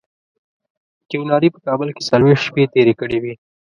کیوناري په کابل کې څلوېښت شپې تېرې کړې وې.